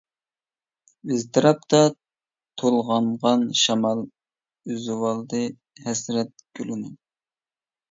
ئىزتىراپتا تولغانغان شامال، ئۈزۈۋالدى ھەسرەت گۈلىنى.